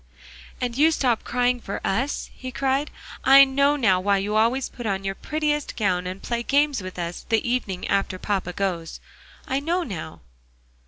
"And you stop crying for us," he cried; "I know now why you always put on your prettiest gown, and play games with us the evening after papa goes. I know now."